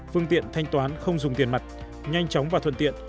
phương tiện thanh toán không dùng tiền mặt nhanh chóng và thuận tiện